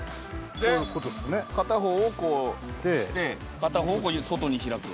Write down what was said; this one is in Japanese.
片方をこうして、片方を外に開く。